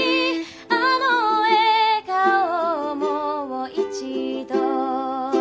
「あの笑顔をもう一度」